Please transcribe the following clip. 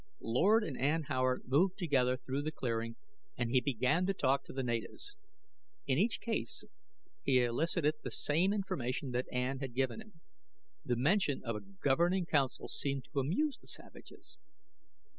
Lord and Ann Howard moved together through the clearing and he began to talk to the natives. In each case he elicited the same information that Ann had given him. The mention of a governing council seemed to amuse the savages.